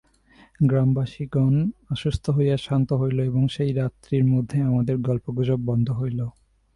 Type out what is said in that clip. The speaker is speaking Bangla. গ্রামবাসিগণ আশ্বস্ত হইয়া শান্ত হইল, এবং সেই রাত্রির মত আমাদের গল্পগুজব বন্ধ হইল।